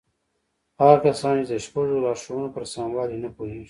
هغه کسان چې د شپږو لارښوونو پر سموالي نه پوهېږي.